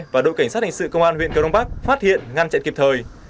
và đội cảnh sát hình sự công an huyện cơ đông bắc phát hiện ngăn chặn kịp thời